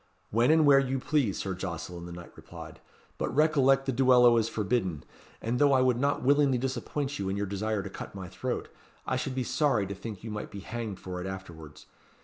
"When and where you please, Sir Jocelyn," the knight replied; "but recollect the duello is forbidden, and, though I would not willingly disappoint you in your desire to cut my throat, I should be sorry to think you might be hanged for it afterwards.